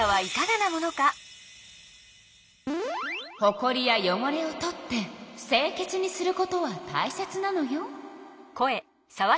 ほこりやよごれを取って清けつにすることはたいせつなのよ。